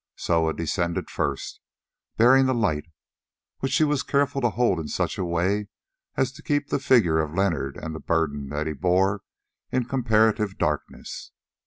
Soa descended first, bearing the light, which she was careful to hold in such a way as to keep the figure of Leonard, and the burden that he bore, in comparative darkness.